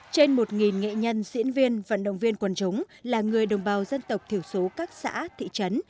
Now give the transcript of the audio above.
trên một nghệ nhân diễn viên vận động viên quần chúng là người đồng bào dân tộc thiểu số các xã thị trấn